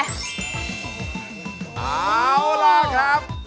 เอาล่ะครับ